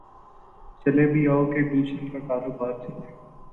چلے بھی آؤ کہ گلشن کا کاروبار چلے